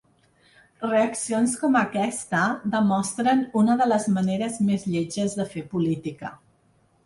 Reaccions com aquesta demostren una de les maneres més lletges de fer política.